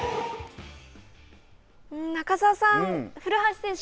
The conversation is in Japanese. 中澤さん、古橋選手